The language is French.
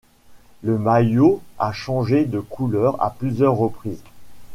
Le maillot a changé de couleur à plusieurs reprises.